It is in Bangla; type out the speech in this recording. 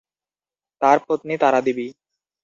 তার পত্নী তারা দেবী।